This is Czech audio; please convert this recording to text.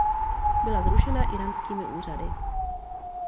Byla zrušena íránskými úřady.